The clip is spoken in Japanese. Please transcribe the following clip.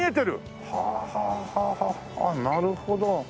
ああなるほど。